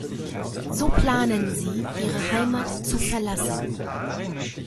So planen sie, ihre Heimat zu verlassen.